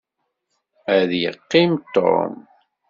Ad yeqqim Tom.